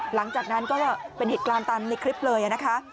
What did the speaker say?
หลังจากนั้นก็เป็นเหตุการณ์ตามในคลิปเลยนะคะ